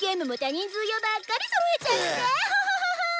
ホホホホ！